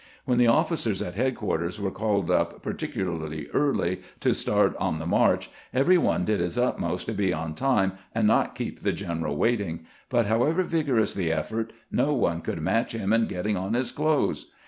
When the officers at headquarters were cahed up particularly early to start on the march, every one did his utmost to be on time 130 CAMPAIGNING WITH GEANT and not keep the general waiting ; but, however vigor ous the effort, no one could match him in getting on his clothes.